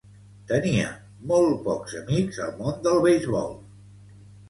Tenia molt pocs amics al món del beisbol.